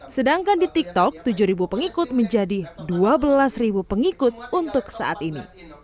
sedangkan di tiktok tujuh pengikut menjadi dua belas pengikut untuk saat ini